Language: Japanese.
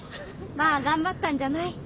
まあ頑張ったんじゃない？